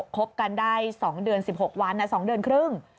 คบกันได้๒เดือน๑๖วัน๒เดือนครึ่ง